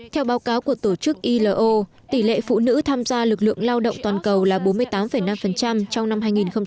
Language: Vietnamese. theo báo cáo của tổ chức ilo tỷ lệ phụ nữ tham gia lực lượng lao động toàn cầu là bốn mươi tám năm trong năm hai nghìn một mươi tám